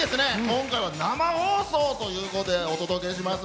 今回は生放送ということでお届けします。